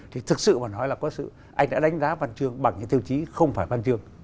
thì thực sự mà nói là có sự anh đã đánh giá văn chương bằng những tiêu chí không phải văn chương